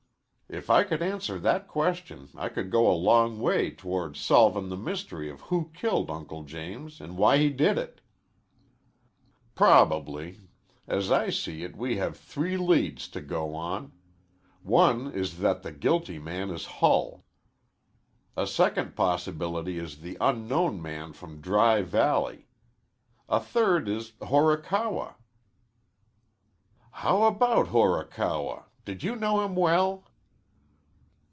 If I could answer that question, I could go a long way toward solvin' the mystery of who killed Uncle James an' why he did it." "Probably. As I see it, we have three leads to go on. One is that the guilty man is Hull. A second possibility is the unknown man from Dry Valley. A third is Horikawa." "How about Horikawa? Did you know him well?"